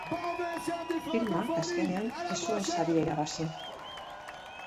Filmak, azkenean, ez zuen saria irabazi.